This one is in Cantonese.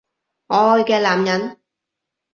我愛嘅男人